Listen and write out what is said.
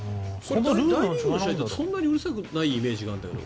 大リーグの試合だとそんなにうるさくないイメージがあるんだけど。